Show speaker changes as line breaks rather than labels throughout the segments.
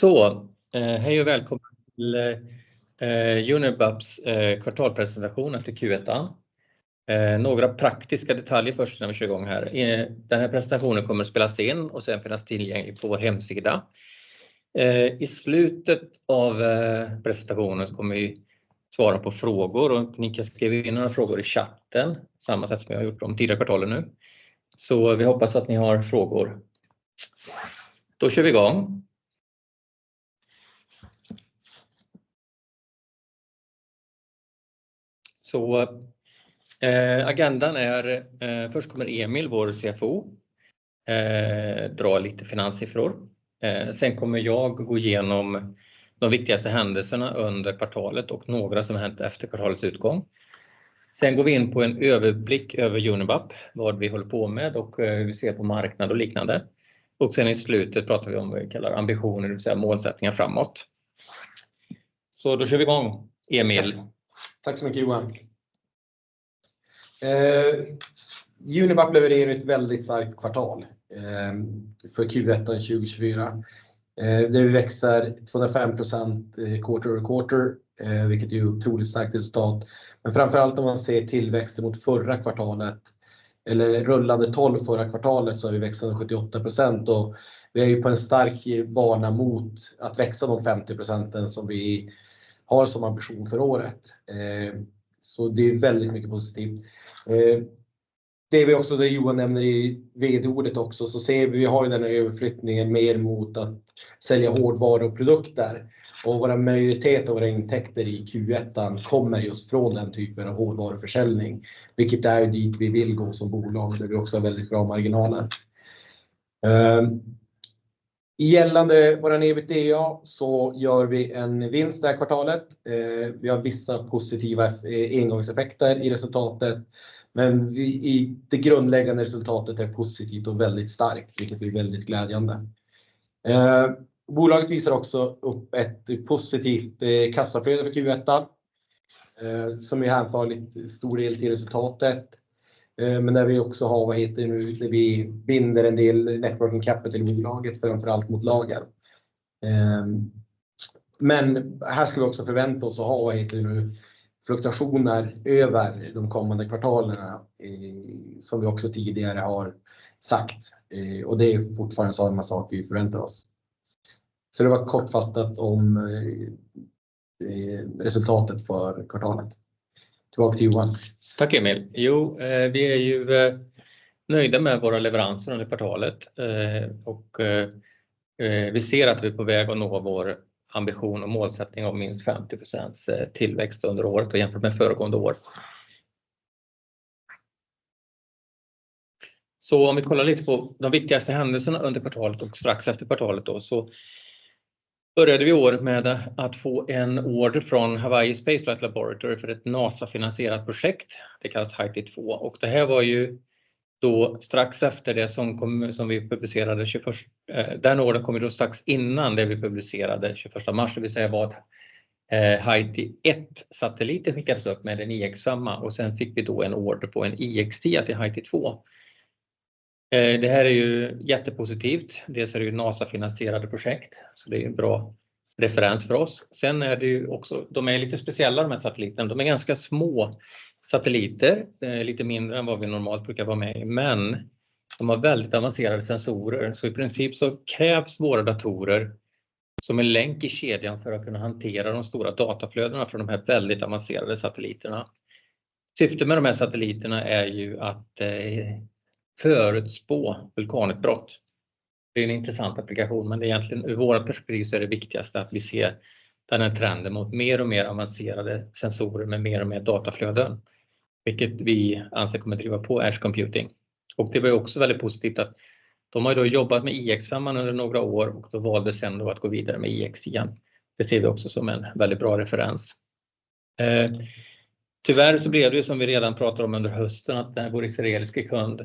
Så, hej och välkommen till Unibaps kvartalspresentation efter Q1. Några praktiska detaljer först när vi kör igång här. Den här presentationen kommer att spelas in och sedan finnas tillgänglig på vår hemsida. I slutet av presentationen kommer vi svara på frågor och ni kan skriva in några frågor i chatten, samma sätt som vi har gjort de tidigare kvartalen nu. Vi hoppas att ni har frågor. Då kör vi igång. Agendan är, först kommer Emil, vår CFO, dra lite finanssiffror. Sen kommer jag gå igenom de viktigaste händelserna under kvartalet och några som har hänt efter kvartalets utgång. Sen går vi in på en överblick över Unibap, vad vi håller på med och hur vi ser på marknad och liknande. I slutet pratar vi om vad vi kallar ambitioner, det vill säga målsättningar framåt. Då kör vi igång, Emil.
Tack så mycket, Johan. Unibap levererar ett väldigt starkt kvartal för Q1 2024. Det växer 205% quarter over quarter, vilket är ju otroligt starkt resultat. Men framför allt om man ser tillväxten mot förra kvartalet, eller rullande tolv förra kvartalet, så har vi växt 78% och vi är på en stark bana mot att växa de 50% som vi har som ambition för året. Så det är väldigt mycket positivt. Det är också det Johan nämner i VD-ordet också, så ser vi, vi har den här överflyttningen mer mot att sälja hårdvaror och produkter och våra majoritet av våra intäkter i Q1 kommer just från den typen av hårdvaruförsäljning, vilket är dit vi vill gå som bolag, där vi också har väldigt bra marginaler. Gällande vår EBITDA så gör vi en vinst det här kvartalet. Vi har vissa positiva engångseffekter i resultatet, men i det grundläggande resultatet är positivt och väldigt starkt, vilket är väldigt glädjande. Bolaget visar också upp ett positivt kassaflöde för Q1, som är här för en stor del till resultatet. Men där vi också har, vi binder en del working capital i bolaget, framför allt mot lager. Men här ska vi också förvänta oss att ha fluktuationer över de kommande kvartalena, som vi också tidigare har sagt, och det är fortfarande samma sak vi förväntar oss. Så det var kortfattat om resultatet för kvartalet. Tillbaka till Johan.
Tack Emil. Jo, vi är ju nöjda med våra leveranser under kvartalet och vi ser att vi är på väg att nå vår ambition och målsättning av minst 50% tillväxt under året jämfört med föregående år. Om vi kollar lite på de viktigaste händelserna under kvartalet och strax efter kvartalet, så började vi året med att få en order från Hawaii Spaceflight Laboratory för ett NASA-finansierat projekt. Det kallas Haiti 2 och det här var strax efter det som vi publicerade, den ordern kom strax innan det vi publicerade tjugoförsta mars, det vill säga vad Haiti 1 satelliten skickades upp med en IX-5 och sedan fick vi en order på en IX10 till Haiti 2. Det här är jättepositivt. Dels är det NASA-finansierade projekt, så det är en bra referens för oss. Sen är det ju också, de är lite speciella de här satelliterna, de är ganska små satelliter, lite mindre än vad vi normalt brukar vara med i, men de har väldigt avancerade sensorer, så i princip så krävs våra datorer som en länk i kedjan för att kunna hantera de stora dataflödena från de här väldigt avancerade satelliterna. Syftet med de här satelliterna är ju att förutspå vulkanutbrott. Det är en intressant applikation, men det är egentligen ur vår perspektiv så är det viktigaste att vi ser den här trenden mot mer och mer avancerade sensorer med mer och mer dataflöden, vilket vi anser kommer att driva på Edge Computing. Det var också väldigt positivt att de har jobbat med IX-5 under några år och då valde sedan att gå vidare med IX-10. Det ser vi också som en väldigt bra referens. Tyvärr så blev det som vi redan pratar om under hösten, att vår israeliske kund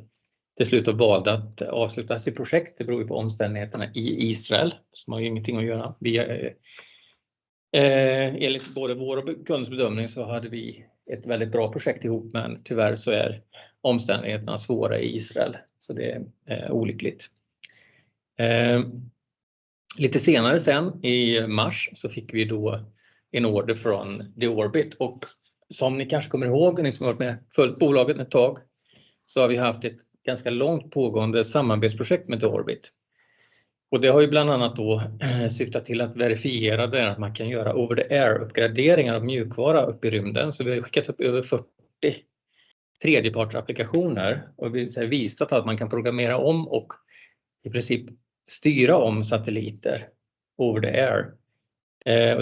till slut har valt att avsluta sitt projekt. Det beror på omständigheterna i Israel, som har ingenting att göra via... Enligt både vår och kunds bedömning så hade vi ett väldigt bra projekt ihop, men tyvärr så är omständigheterna svåra i Israel, så det är olyckligt. Lite senare sedan i mars så fick vi då en order från The Orbit och som ni kanske kommer ihåg, ni som har varit med och följt bolaget ett tag, så har vi haft ett ganska långt pågående samarbetsprojekt med The Orbit. Det har ju bland annat då syftat till att verifiera det, att man kan göra over the air-uppgraderingar av mjukvara upp i rymden. Vi har skickat upp över fyrtio tredjepartsapplikationer och visat att man kan programmera om och i princip styra om satelliter over the air.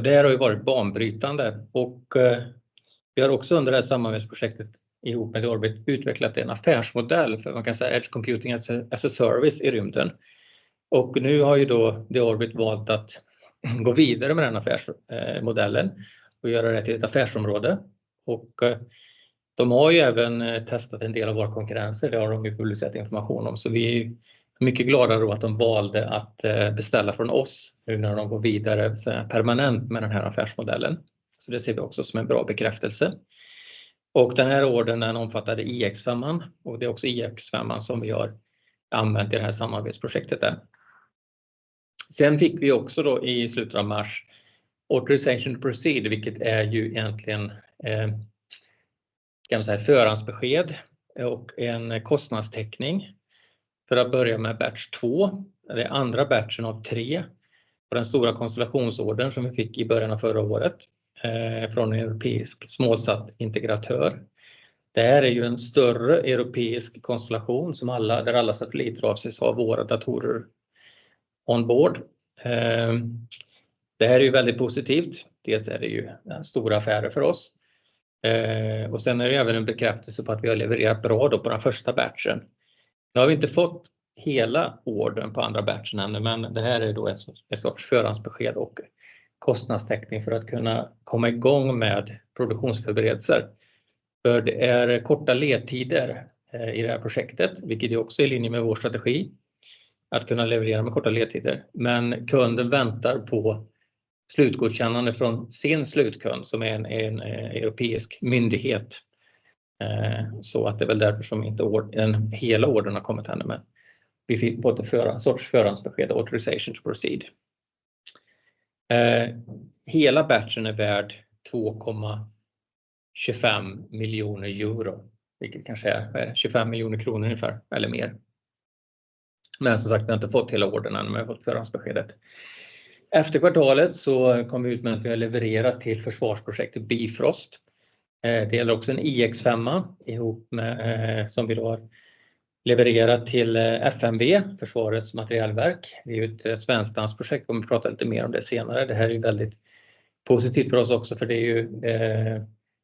Det här har varit banbrytande och vi har också under det här samarbetsprojektet ihop med Orbit utvecklat en affärsmodell för, man kan säga, Edge Computing as a service i rymden. Nu har Orbit valt att gå vidare med den affärsmodellen och göra det till ett affärsområde. De har även testat en del av våra konkurrenser, det har de publicerat information om. Vi är mycket glada då att de valde att beställa från oss nu när de går vidare permanent med den här affärsmodellen. Det ser vi också som en bra bekräftelse. Den här ordern är en omfattande IX-5an och det är också IX-5an som vi har använt i det här samarbetsprojektet där. Sen fick vi också då i slutet av mars authorization to proceed, vilket är ju egentligen, kan man säga, förhandsbesked och en kostnadstäckning för att börja med batch två. Det är andra batchen av tre på den stora konstellationsordern som vi fick i början av förra året från en europeisk småsat-integratör. Det här är ju en större europeisk konstellation som alla, där alla satelliter avses ha våra datorer on board. Det här är väldigt positivt. Dels är det ju en stor affär för oss. Sen är det även en bekräftelse på att vi har levererat bra på den första batchen. Nu har vi inte fått hela ordern på andra batchen ännu, men det här är då en sorts förhandsbesked och kostnadstäckning för att kunna komma igång med produktionsförberedelser. För det är korta ledtider i det här projektet, vilket är också i linje med vår strategi, att kunna leverera med korta ledtider. Men kunden väntar på slutgodkännande från sin slutkund, som är en europeisk myndighet. Så det är väl därför som inte hela ordern har kommit ännu, men vi fick både förans, sorts föransbesked, authorization to proceed. Hela batchen är värd €2.25 miljoner, vilket kanske är 25 miljoner kronor ungefär eller mer. Men som sagt, vi har inte fått hela ordern än, men vi har fått föransbeskedet. Efter kvartalet så kom vi ut med att vi har levererat till försvarsprojektet Bifrost. Det gäller också en IX-5a ihop med, som vi då har levererat till FMV, Försvarets Materielverk. Det är ett svensk-danskt projekt, vi kommer att prata lite mer om det senare. Det här är väldigt positivt för oss också, för det är ju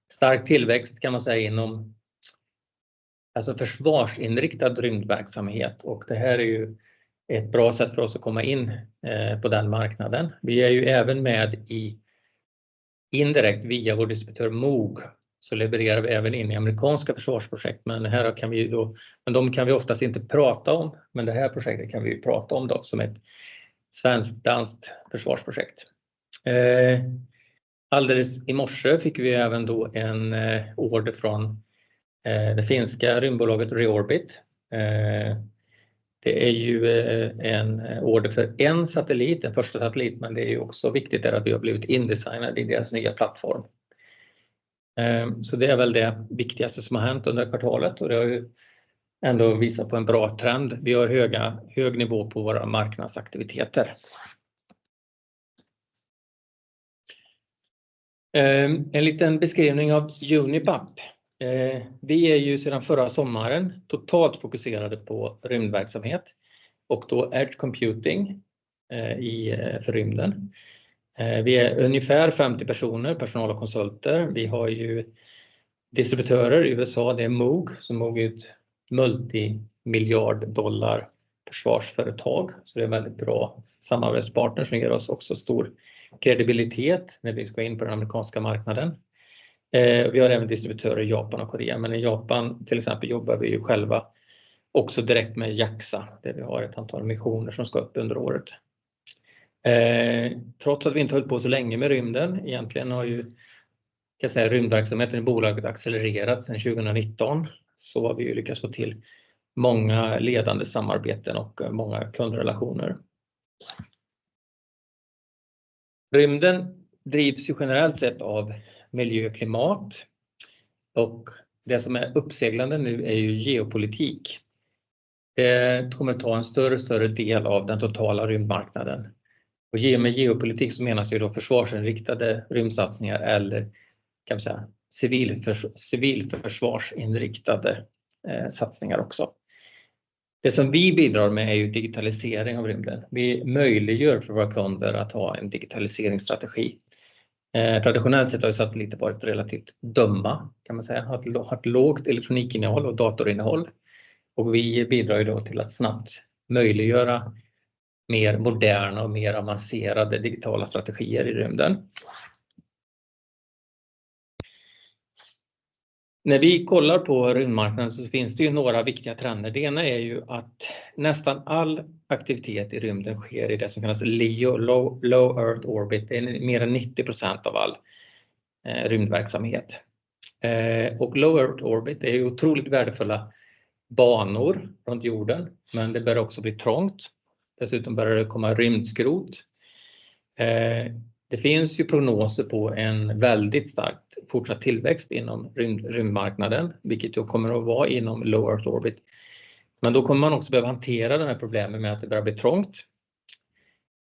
stark tillväxt kan man säga inom försvarsinriktad rymdverksamhet och det här är ju ett bra sätt för oss att komma in på den marknaden. Vi är ju även med i, indirekt via vår distributör Moog, så levererar vi även in i amerikanska försvarsprojekt, men det här kan vi då, men de kan vi oftast inte prata om, men det här projektet kan vi prata om då, som ett svensk-danskt försvarsprojekt. I morse fick vi även då en order från det finska rymdbolaget Reorbit. Det är ju en order för en satellit, en första satellit, men det är också viktigt är att vi har blivit in-designad i deras nya plattform. Så det är väl det viktigaste som har hänt under det här kvartalet och det har ju ändå visat på en bra trend. Vi har höga, hög nivå på våra marknadsaktiviteter. En liten beskrivning av Unipap. Vi är sedan förra sommaren totalt fokuserade på rymdverksamhet och då edge computing för rymden. Vi är ungefär femtio personer, personal och konsulter. Vi har distributörer i USA, det är Moog, så Moog är ett multimiljard dollar försvarsföretag, så det är väldigt bra samarbetspartner som ger oss också stor kredibilitet när vi ska in på den amerikanska marknaden. Vi har även distributörer i Japan och Korea, men i Japan, till exempel, jobbar vi själva också direkt med JAXA, där vi har ett antal missioner som ska upp under året. Trots att vi inte har hållit på så länge med rymden, egentligen har rymdverksamheten i bolaget accelererat sedan 2019, så har vi lyckats få till många ledande samarbeten och många kundrelationer. Rymden drivs ju generellt sett av miljö och klimat och det som är uppseglande nu är ju geopolitik. Det kommer ta en större, större del av den totala rymdmarknaden. Och med geopolitik så menas ju då försvarsinriktade rymdsatsningar eller, kan man säga, civilförsvarsinriktade satsningar också. Det som vi bidrar med är ju digitalisering av rymden. Vi möjliggör för våra kunder att ha en digitaliseringsstrategi. Traditionellt sett har satelliter varit relativt dumma, kan man säga, haft lågt elektronikinnehåll och datorinnehåll och vi bidrar då till att snabbt möjliggöra mer moderna och mer avancerade digitala strategier i rymden. När vi kollar på rymdmarknaden så finns det ju några viktiga trender. Det ena är ju att nästan all aktivitet i rymden sker i det som kallas LEO, Low Earth Orbit, det är mer än 90% av all rymdverksamhet. Och Low Earth Orbit är otroligt värdefulla banor runt jorden, men det bör också bli trångt. Dessutom bör det komma rymdskrot. Det finns prognoser på en väldigt stark fortsatt tillväxt inom rymd, rymdmarknaden, vilket då kommer att vara inom Low Earth Orbit. Men då kommer man också behöva hantera det här problemet med att det börjar bli trångt.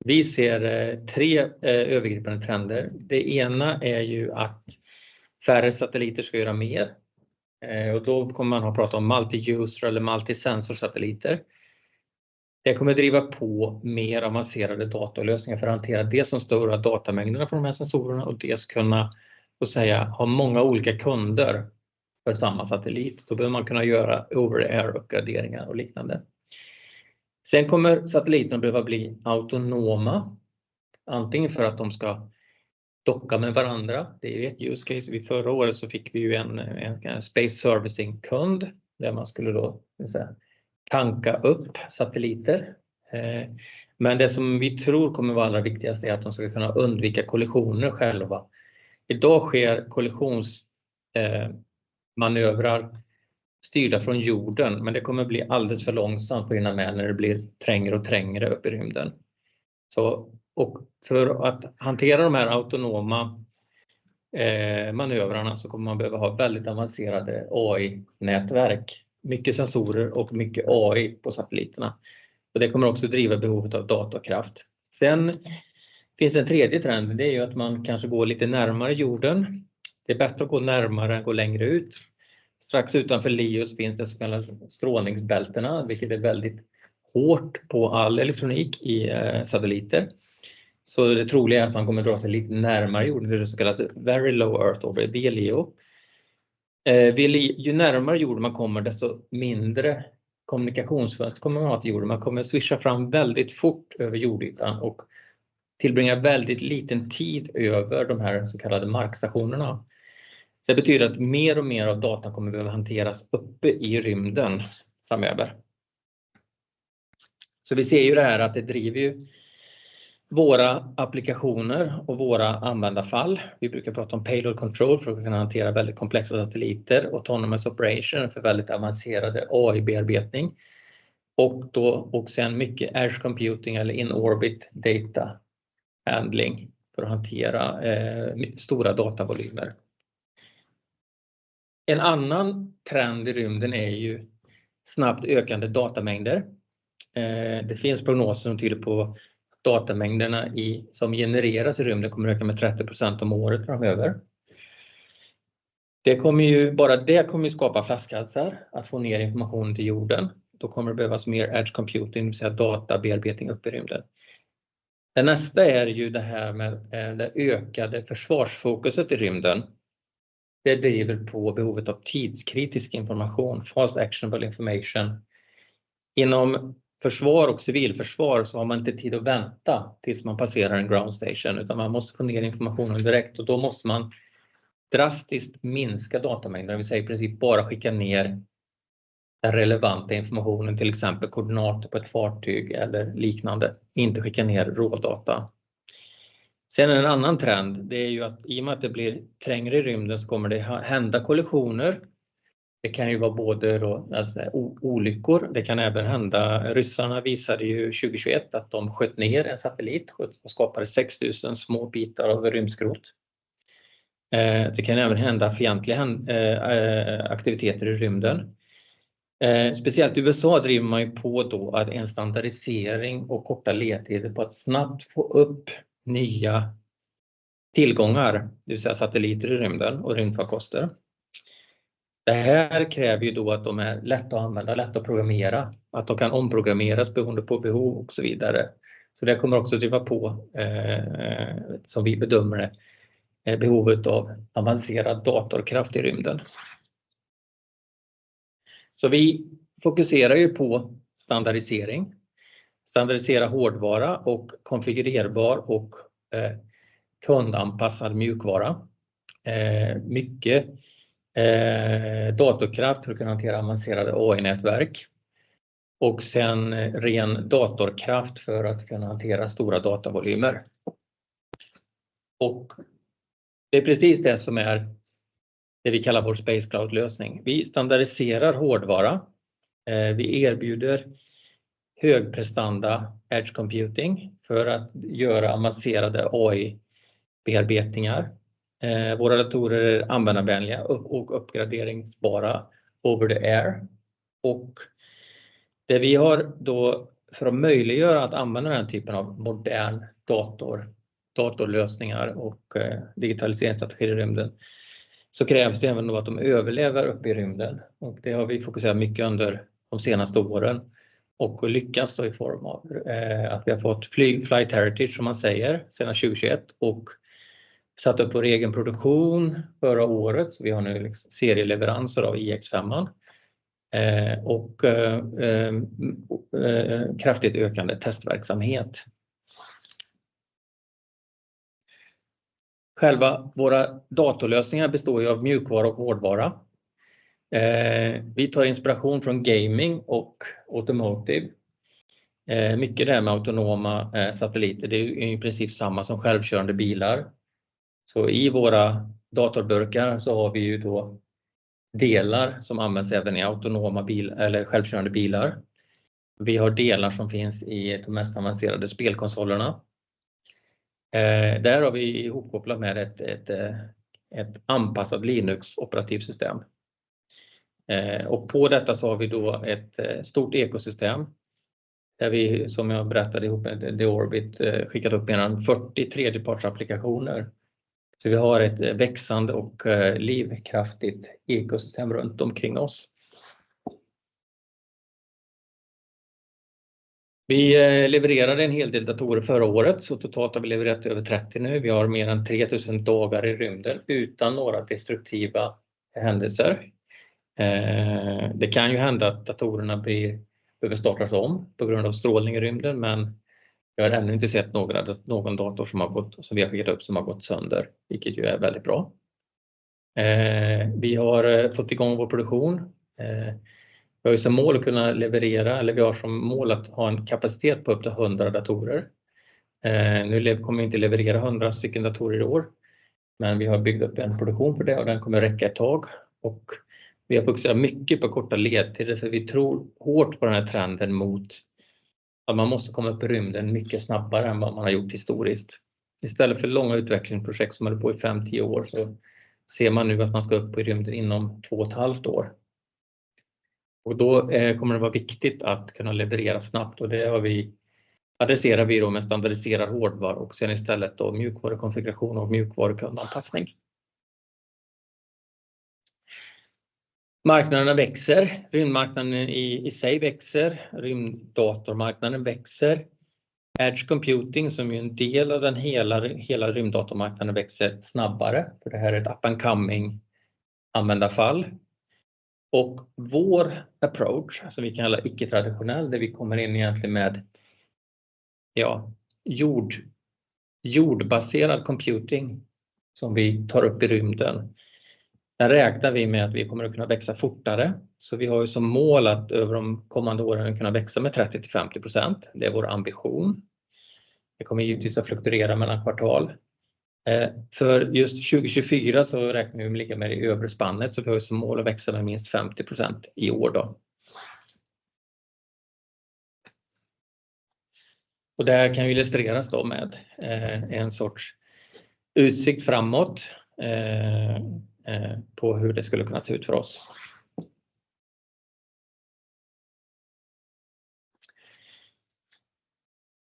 Vi ser tre övergripande trender. Det ena är att färre satelliter ska göra mer och då kommer man att prata om multi-user eller multi-sensor satelliter. Det kommer att driva på mer avancerade datorlösningar för att hantera dels de större datamängderna från de här sensorerna och dels kunna ha många olika kunder för samma satellit. Då behöver man kunna göra over air-upgraderingar och liknande. Sen kommer satelliterna behöva bli autonoma, antingen för att de ska docka med varandra. Det är ett use case. I förra året så fick vi ju en space servicing-kund där man skulle då, det vill säga, tanka upp satelliter. Men det som vi tror kommer vara allra viktigast är att de ska kunna undvika kollisioner själva. Idag sker kollisionsmanövrar styrda från jorden, men det kommer bli alldeles för långsamt för att hinna med när det blir trängre och trängre uppe i rymden. För att hantera de här autonoma manövrarna så kommer man behöva ha väldigt avancerade AI-nätverk, mycket sensorer och mycket AI på satelliterna. Det kommer också driva behovet av datakraft. Sen finns en tredje trend, det är ju att man kanske går lite närmare jorden. Det är bättre att gå närmare än gå längre ut. Strax utanför LEO finns det så kallade strålningsbältena, vilket är väldigt hårt på all elektronik i satelliter. Så det troliga är att man kommer att dra sig lite närmare jorden, det så kallade Very Low Earth Orbit, VLEO. VLEO, ju närmare jorden man kommer, desto mindre kommunikationsfönster kommer man att ha med jorden. Man kommer att swisha fram väldigt fort över jordytan och tillbringa väldigt liten tid över de här så kallade markstationerna. Det betyder att mer och mer av data kommer att behöva hanteras uppe i rymden framöver. Så vi ser ju det här att det driver ju våra applikationer och våra användarfall. Vi brukar prata om payload control för att kunna hantera väldigt komplexa satelliter, autonomous operation för väldigt avancerade AI-bearbetning och då också mycket edge computing eller in orbit data handling för att hantera stora datavolymer. En annan trend i rymden är ju snabbt ökande datamängder. Det finns prognoser som tyder på att datamängderna som genereras i rymden kommer öka med 30% om året framöver. Det kommer bara det att skapa flaskhalsar att få ner information till jorden. Då kommer det behövas mer edge computing, det vill säga databearbetning upp i rymden. Det nästa är det här med det ökade försvarsfokuset i rymden. Det driver på behovet av tidskritisk information, fast actionable information. Inom försvar och civilförsvar så har man inte tid att vänta tills man passerar en ground station, utan man måste få ner informationen direkt och då måste man drastiskt minska datamängden, det vill säga i princip bara skicka ner den relevanta informationen, till exempel koordinater på ett fartyg eller liknande, inte skicka ner rådata. Sen en annan trend, det är att i och med att det blir trängre i rymden så kommer det hända kollisioner. Det kan ju vara både då, alltså olyckor, det kan även hända... Ryssarna visade ju 2021 att de sköt ner en satellit och skapade 6,000 små bitar av rymdskrot. Det kan även hända fientliga aktiviteter i rymden. Speciellt USA driver man ju på då att en standardisering och korta ledtider på att snabbt få upp nya tillgångar, det vill säga satelliter i rymden och rymdfarkoster. Det här kräver ju då att de är lätt att använda, lätt att programmera, att de kan omprogrammeras beroende på behov och så vidare. Så det kommer också driva på, som vi bedömer det, behovet av avancerad datorkraft i rymden. Så vi fokuserar ju på standardisering, standardisera hårdvara och konfigurerbar och kundanpassad mjukvara. Mycket datorkraft för att kunna hantera avancerade AI-nätverk och sen ren datorkraft för att kunna hantera stora datavolymer. Och det är precis det som är det vi kallar vår Space Cloud-lösning. Vi standardiserar hårdvara, vi erbjuder högprestanda edge computing för att göra avancerade AI-bearbetningar. Våra datorer är användarvänliga och uppgraderingsbara over the air. Och det vi har då för att möjliggöra att använda den här typen av modern dator, datorlösningar och digitaliseringsstrategier i rymden, så krävs det även då att de överlever upp i rymden och det har vi fokuserat mycket under de senaste åren och lyckats då i form av att vi har fått flight heritage, som man säger, sedan 2021 och satt upp vår egen produktion förra året. Vi har nu serieleveranser av IX5. Och kraftigt ökande testverksamhet. Själva våra datorlösningar består ju av mjukvara och hårdvara. Vi tar inspiration från gaming och automotive. Mycket det här med autonoma satelliter, det är ju i princip samma som självkörande bilar. I våra datorburkar har vi delar som används även i autonoma bilar eller självkörande bilar. Vi har delar som finns i de mest avancerade spelkonsolerna. Där har vi ihopkopplat med ett anpassat Linux operativsystem. På detta har vi ett stort ekosystem, där vi, som jag berättade ihop med The Orbit, skickat upp mer än 40 tredjepartsapplikationer. Vi har ett växande och livskraftigt ekosystem runt omkring oss. Vi levererade en hel del datorer förra året, så totalt har vi levererat över 30 nu. Vi har mer än 3,000 dagar i rymden utan några destruktiva händelser. Det kan hända att datorerna behöver startas om på grund av strålning i rymden, men vi har ännu inte sett någon dator som vi har skickat upp som har gått sönder, vilket är väldigt bra. Vi har fått igång vår produktion. Vi har ju som mål att kunna leverera, eller vi har som mål att ha en kapacitet på upp till hundra datorer. Nu kommer vi inte leverera hundra stycken datorer i år, men vi har byggt upp en produktion för det och den kommer att räcka ett tag och vi har fokuserat mycket på korta ledtider för vi tror hårt på den här trenden mot att man måste komma upp i rymden mycket snabbare än vad man har gjort historiskt. Istället för långa utvecklingsprojekt som håller på i fem, tio år, så ser man nu att man ska upp i rymden inom två och ett halvt år. Då kommer det vara viktigt att kunna leverera snabbt och det har vi, adresserar vi då med standardiserad hårdvara och sen istället då mjukvarukonfiguration och mjukvarukundanpassning. Marknaderna växer, rymdmarknaden i sig växer, rymddatormarknaden växer. Edge computing, som är en del av den hela rymddatormarknaden, växer snabbare för det här är ett up and coming användarfall. Vår approach, som vi kan kalla icke-traditionell, där vi kommer in egentligen med jordbaserad computing som vi tar upp i rymden. Där räknar vi med att vi kommer att kunna växa fortare, så vi har som mål att över de kommande åren kunna växa med 30% till 50%. Det är vår ambition. Det kommer givetvis att fluktuera mellan kvartal. För just 2024 så räknar vi med att ligga med det övre spannet, så vi har som mål att växa med minst 50% i år då. Det här kan illustreras då med en sorts utsikt framåt på hur det skulle kunna se ut för oss.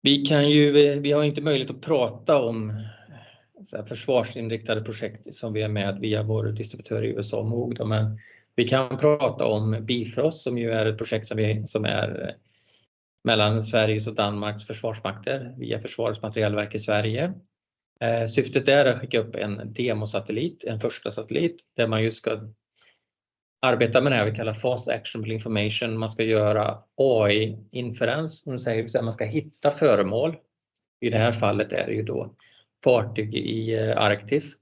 Vi kan ju, vi har inte möjlighet att prata om försvarsinriktade projekt som vi är med via vår distributör i USA, Moog, men vi kan prata om Bifrost, som ju är ett projekt som vi, som är mellan Sverige och Danmarks försvarsmakter via Försvarets materielverk i Sverige. Syftet är att skicka upp en demosatellit, en första satellit, där man ju ska arbeta med det här vi kallar fast actionable information. Man ska göra AI inference, om vi säger, man ska hitta föremål. I det här fallet är det ju då fartyg i Arktis,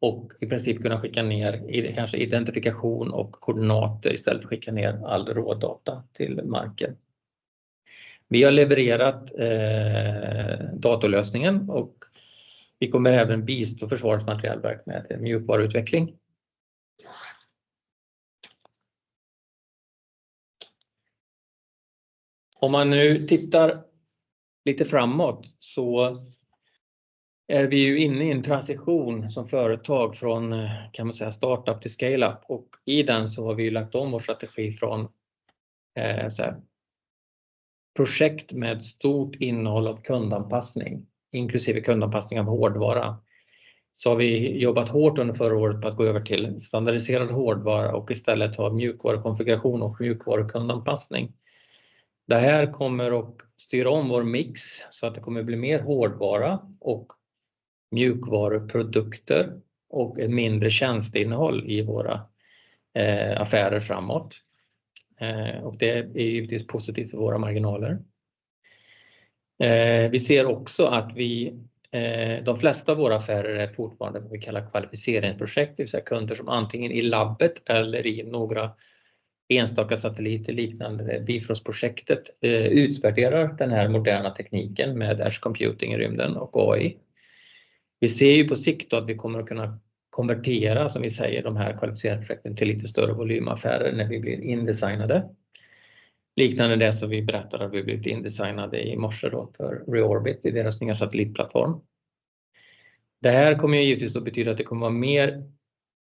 och i princip kunna skicka ner kanske identifikation och koordinater istället för att skicka ner all rådata till marken. Vi har levererat datalösningen och vi kommer även bistå Försvarets materielverk med mjukvaruutveckling. Om man nu tittar lite framåt så är vi ju inne i en transition som företag från, kan man säga, startup till scaleup och i den så har vi lagt om vår strategi från projekt med stort innehåll av kundanpassning, inklusive kundanpassning av hårdvara. Så har vi jobbat hårt under förra året på att gå över till standardiserad hårdvara och istället ha mjukvarukonfiguration och mjukvarukundanpassning. Det här kommer att styra om vår mix så att det kommer att bli mer hårdvara och mjukvaruprodukter och ett mindre tjänsteinnehåll i våra affärer framåt. Och det är givetvis positivt för våra marginaler. Vi ser också att vi, de flesta av våra affärer är fortfarande vad vi kallar kvalificeringsprojekt, det vill säga kunder som antingen i labbet eller i några enstaka satelliter, liknande Bifrost-projektet, utvärderar den här moderna tekniken med Edge computing i rymden och AI. Vi ser ju på sikt att vi kommer att kunna konvertera, som vi säger, de här kvalificeringsprojekten till lite större volymaffärer när vi blir indesignade. Liknande det som vi berättade att vi blivit indesignade i morse då för Reorbit i deras nya satellitplattform. Det här kommer givetvis att betyda att det kommer vara mer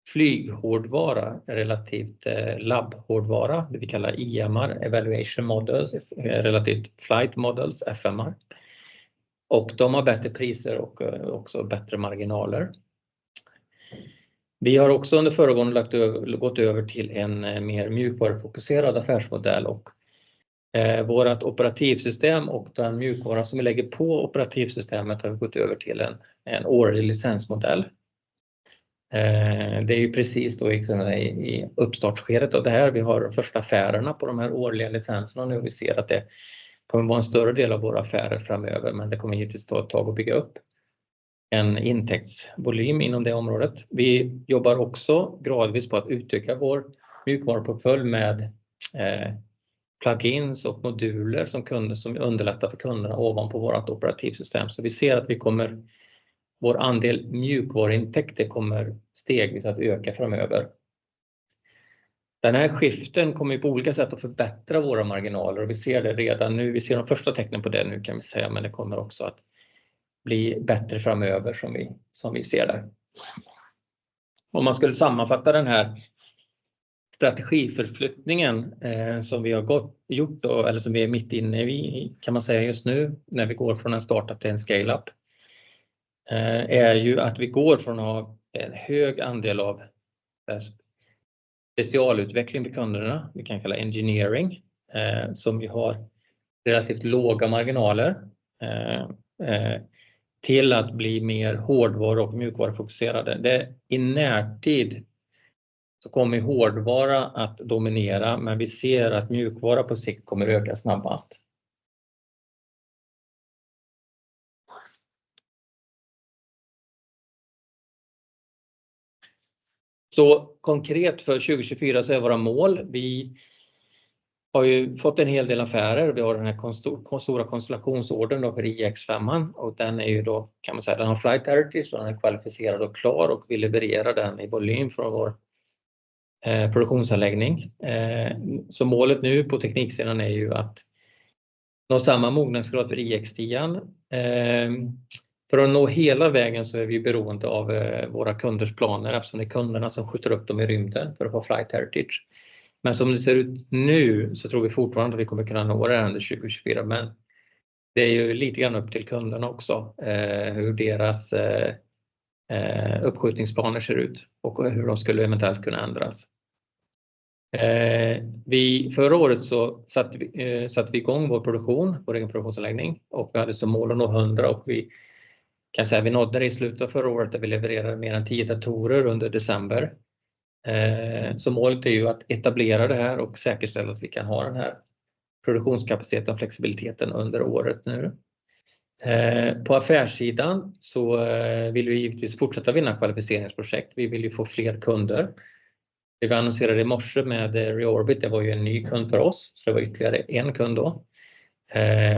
flyghårdvara, relativt labbhårdvara, det vi kallar EMR, Evaluation Models, relativt Flight Models, FMR. Och de har bättre priser och också bättre marginaler. Vi har också under föregående lagt över, gått över till en mer mjukvarufokuserad affärsmodell och vårt operativsystem och den mjukvara som vi lägger på operativsystemet har vi gått över till en årlig licensmodell. Det är ju precis då i uppstartsskedet och det här, vi har första affärerna på de här årliga licenserna nu, vi ser att det kommer vara en större del av våra affärer framöver, men det kommer givetvis ta ett tag att bygga upp en intäktsvolym inom det området. Vi jobbar också gradvis på att utöka vår mjukvaruportfölj med plugins och moduler som underlättar för kunderna ovanpå vårt operativsystem. Så vi ser att vi kommer, vår andel mjukvaruintäkter kommer stegvis att öka framöver. Den här skiften kommer på olika sätt att förbättra våra marginaler och vi ser det redan nu. Vi ser de första tecknen på det nu kan vi säga, men det kommer också att bli bättre framöver, som vi ser där. Om man skulle sammanfatta den här strategiförflyttningen som vi har gjort, eller som vi är mitt inne i, kan man säga just nu, när vi går från en startup till en scaleup, är ju att vi går från att ha en hög andel av specialutveckling för kunderna, vi kan kalla engineering, som vi har relativt låga marginaler, till att bli mer hårdvaru- och mjukvarufokuserade. Det, i närtid så kommer hårdvara att dominera, men vi ser att mjukvara på sikt kommer att öka snabbast. Så konkret för 2024 så är våra mål. Vi har ju fått en hel del affärer. Vi har den här stora konstellationsordern för IX5. Och den är ju då, kan man säga, den har flight heritage, så den är kvalificerad och klar och vi levererar den i volym från vår produktionsanläggning. Målet nu på tekniksidan är ju att nå samma mognadsgrad för IX10. För att nå hela vägen så är vi beroende av våra kunders planer, eftersom det är kunderna som skjuter upp dem i rymden för att få flight heritage. Men som det ser ut nu, så tror vi fortfarande att vi kommer kunna nå det under 2024, men det är ju lite grann upp till kunderna också, hur deras uppskjutningsplaner ser ut och hur de skulle eventuellt kunna ändras. Vi, förra året så satte vi i gång vår produktion, vår egen produktionsanläggning och vi hade som mål att nå hundra och vi kan säga, vi nådde det i slutet av förra året, där vi levererade mer än tio datorer under december. Så målet är ju att etablera det här och säkerställa att vi kan ha den här produktionskapaciteten och flexibiliteten under året nu. På affärssidan så vill vi givetvis fortsätta med våra kvalificeringsprojekt. Vi vill ju få fler kunder. Det vi annonserade i morse med Reorbit, det var ju en ny kund för oss, så det var ytterligare en kund då.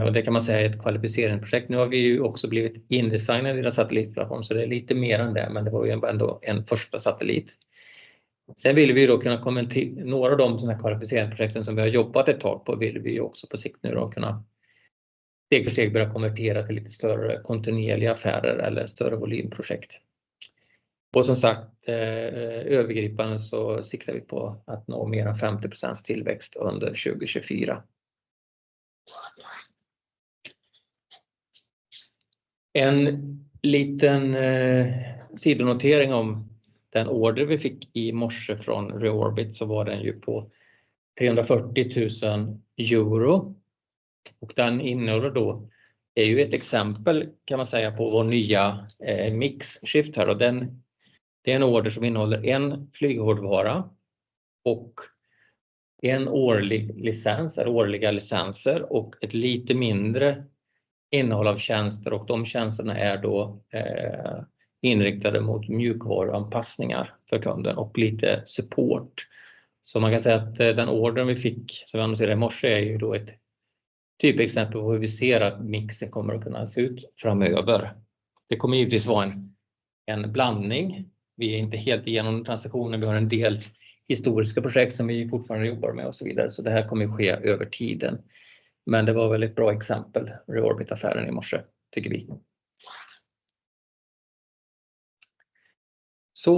Och det kan man säga är ett kvalificeringsprojekt. Nu har vi ju också blivit indesignade i deras satellitplattform, så det är lite mer än det, men det var ju ändå en första satellit. Sen vill vi då kunna komma till några av de kvalificeringsprojekten som vi har jobbat ett tag på, vill vi ju också på sikt nu då kunna steg för steg börja konvertera till lite större kontinuerliga affärer eller större volymprojekt. Och som sagt, övergripande så siktar vi på att nå mer än 50% tillväxt under 2024. En liten sidoanteckning om den order vi fick i morse från Reorbit, så var den ju på €340,000 och den innehåller då, det är ju ett exempel, kan man säga, på vår nya mix shift här. Och den, det är en order som innehåller en flyghårdvara och en årlig licens eller årliga licenser och ett lite mindre innehåll av tjänster. Och de tjänsterna är då inriktade mot mjukvaruanpassningar för kunden och lite support. Så man kan säga att den ordern vi fick, som vi annonserade i morse, är ju då ett typexempel på hur vi ser att mixen kommer att kunna se ut framöver. Det kommer givetvis vara en blandning. Vi är inte helt igenom transitionen. Vi har en del historiska projekt som vi fortfarande jobbar med och så vidare, så det här kommer att ske över tiden. Men det var ett väldigt bra exempel, Reorbit-affären i morse, tycker vi. Då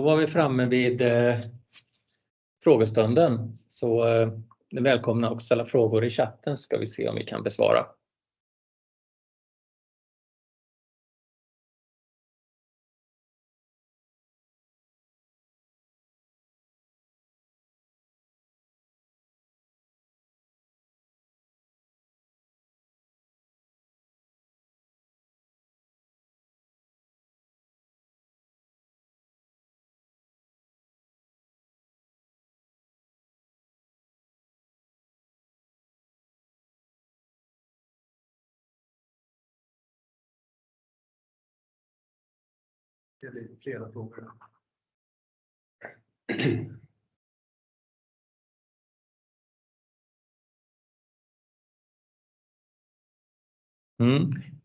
var vi framme vid frågestunden. Ni är välkomna att ställa frågor i chatten, ska vi se om vi kan besvara. Det blir flera frågor.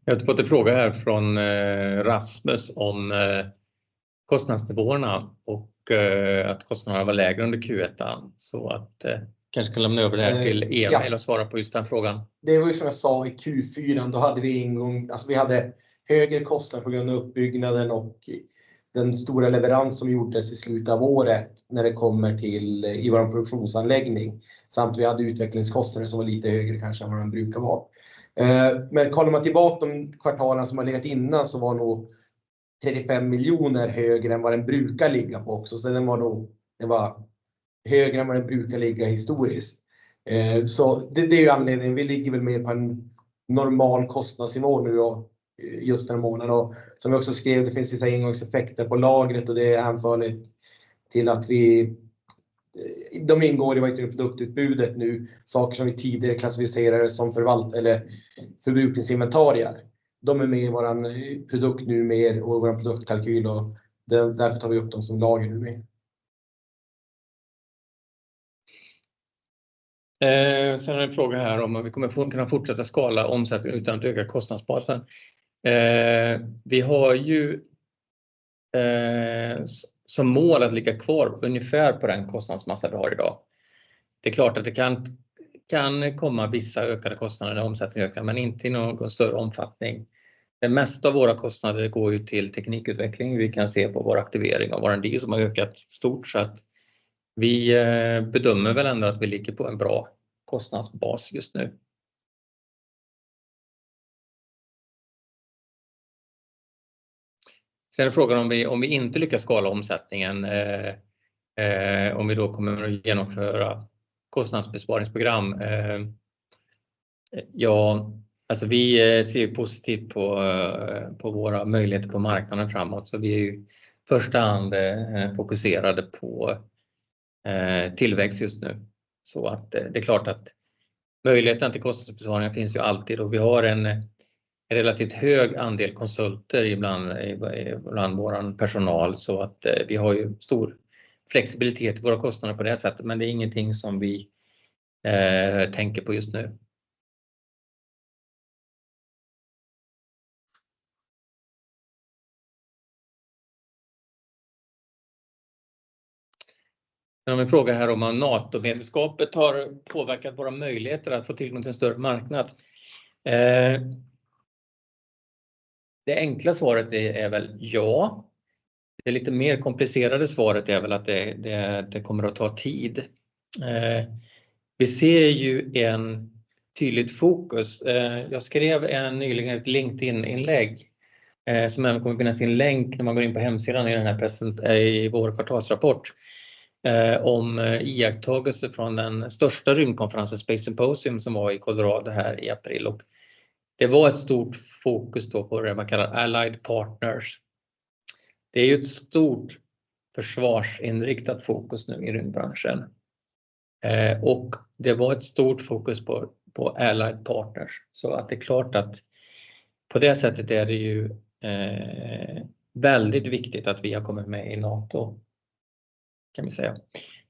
Jag har fått en fråga här från Rasmus om kostnadsnivåerna och att kostnaderna var lägre under Q1. Kanske kan lämna över det här till Emil att svara på just den frågan.
Det var ju som jag sa i Q4, då hade vi en gång, alltså vi hade högre kostnad på grund av uppbyggnaden och den stora leverans som gjordes i slutet av året när det kommer till vår produktionsanläggning. Samt vi hade utvecklingskostnader som var lite högre kanske än vad den brukar vara. Men kollar man tillbaka de kvartalen som har legat innan så var nog 35 miljoner högre än vad den brukar ligga på också. Så den var nog, den var högre än vad den brukar ligga historiskt. Så det, det är ju anledningen, vi ligger väl mer på en normal kostnadsnivå nu då, just den månaden. Och som vi också skrev, det finns vissa engångseffekter på lagret och det är hänförligt till att vi... De ingår i vårt produktutbudet nu, saker som vi tidigare klassificerade som förvaltnings- eller förbrukningsinventarier. De är med i vår produkt nu mer och vår produktkalkyl och därför tar vi upp dem som lager med.
Sen är det en fråga här om att vi kommer att kunna fortsätta skala omsättning utan att öka kostnadsbasen. Vi har ju som mål att ligga kvar ungefär på den kostnadsmassa vi har idag. Det är klart att det kan komma vissa ökade kostnader när omsättningen ökar, men inte i någon större omfattning. Det mesta av våra kostnader går ju till teknikutveckling. Vi kan se på vår aktivering av vår R&D som har ökat stort sett. Vi bedömer väl ändå att vi ligger på en bra kostnadsbas just nu. Sen är frågan om vi, om vi inte lyckas skala omsättningen, om vi då kommer att genomföra kostnadsbesparingsprogram? Ja, alltså vi ser positivt på våra möjligheter på marknaden framåt. Så vi är ju i första hand fokuserade på tillväxt just nu. Så att det är klart att möjligheten till kostnadsbesparingar finns alltid och vi har en relativt hög andel konsulter ibland bland vår personal. Så att vi har stor flexibilitet i våra kostnader på det här sättet, men det är ingenting som vi tänker på just nu. Jag har en fråga här om att NATO-medlemskapet har påverkat våra möjligheter att få tillgång till en större marknad. Det enkla svaret är väl ja. Det lite mer komplicerade svaret är väl att det kommer att ta tid. Vi ser en tydligt fokus. Jag skrev nyligen ett LinkedIn-inlägg som även kommer att finnas i en länk när man går in på hemsidan i den här presentationen, i vår kvartalsrapport, om iakttagelser från den största rymdkonferensen Space Symposium som var i Colorado här i april. Och det var ett stort fokus då på det man kallar Allied Partners. Det är ju ett stort försvarsinriktat fokus nu i rymdbranschen. Och det var ett stort fokus på Allied Partners. Så att det är klart att på det sättet är det ju väldigt viktigt att vi har kommit med i NATO, kan vi säga.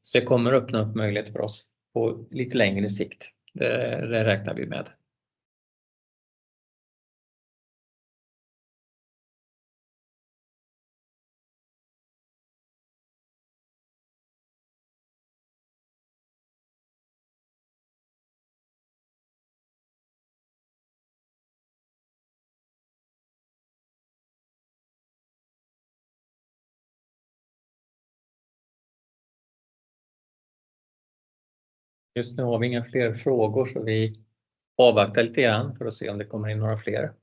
Så det kommer att öppna upp möjligheter för oss på lite längre sikt. Det räknar vi med. Just nu har vi inga fler frågor så vi avvaktar lite grann för att se om det kommer in några fler.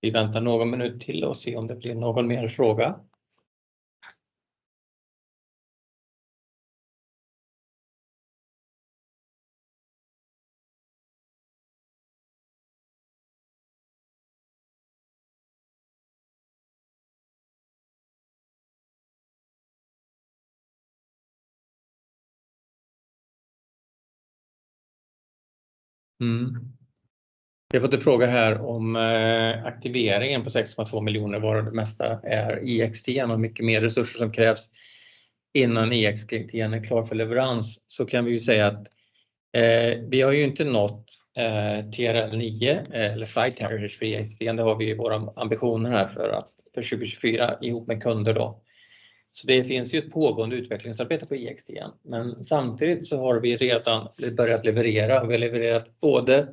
Vi väntar någon minut till och se om det blir någon mer fråga. Vi har fått en fråga här om aktiveringen på 6,2 miljoner, varav det mesta är IX10 och mycket mer resurser som krävs innan IX10 är klar för leverans. Så kan vi ju säga att vi har ju inte nått TRL9 eller Flight Carriage för IX10. Det har vi våra ambitioner här för att för 2024 ihop med kunder då. Så det finns ju ett pågående utvecklingsarbete på IX10, men samtidigt så har vi redan börjat leverera. Vi har levererat både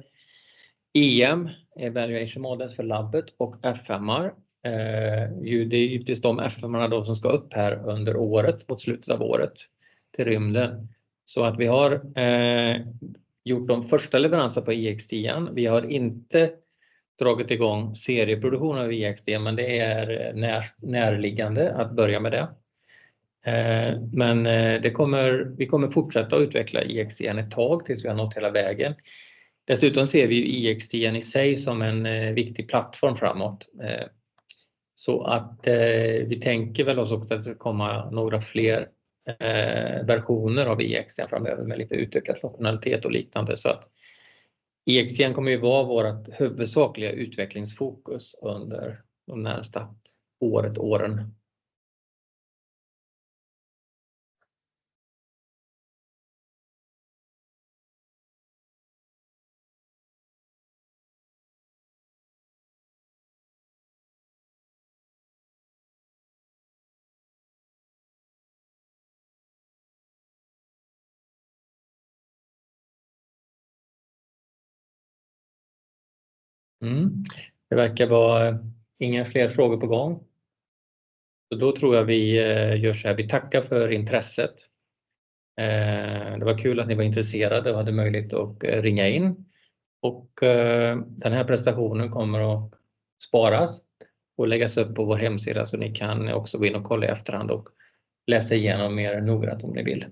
EM, Evaluation Models för labbet och FMR. Det är just de FMR då som ska upp här under året, mot slutet av året, till rymden. Så att vi har gjort de första leveranserna på IX10. Vi har inte dragit i gång serieproduktionen av IX10, men det är närliggande att börja med det. Men det kommer, vi kommer fortsätta att utveckla IX10 ett tag tills vi har nått hela vägen. Dessutom ser vi IX10 i sig som en viktig plattform framåt. Så att vi tänker väl också att det ska komma några fler versioner av IX10 framöver med lite utvecklad funktionalitet och liknande. Så att IX10 kommer att vara vårt huvudsakliga utvecklingsfokus under de närmaste året, åren. Det verkar vara inga fler frågor på gång. Då tror jag vi gör såhär. Vi tackar för intresset. Det var kul att ni var intresserade och hade möjligt att ringa in. Och den här presentationen kommer att sparas och läggas upp på vår hemsida så ni kan också gå in och kolla i efterhand och läsa igenom mer noggrann om ni vill.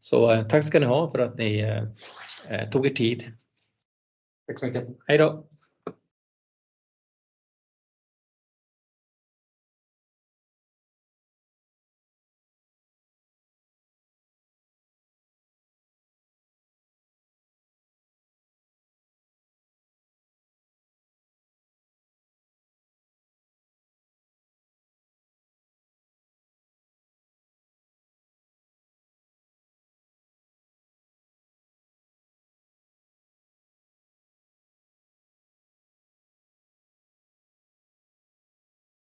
Så tack ska ni ha för att ni tog er tid.
Tack så mycket.
Hej då!